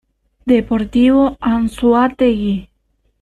Deportivo Anzoátegui